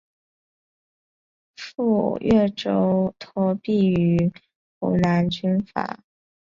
赴岳州托庇于湖南军阀赵恒惕。